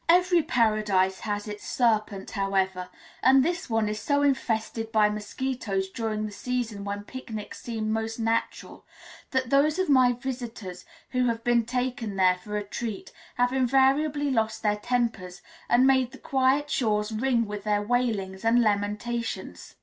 Every paradise has its serpent, however, and this one is so infested by mosquitoes during the season when picnics seem most natural, that those of my visitors who have been taken there for a treat have invariably lost their tempers, and made the quiet shores ring with their wailing and lamentations.